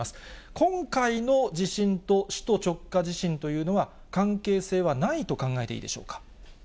今回の地震と、首都直下地震というのは、関係性はないと考えていいでしょうか。